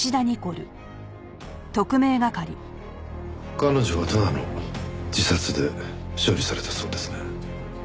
彼女はただの自殺で処理されたそうです。